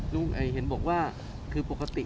เห็นบอกว่าคือปกติ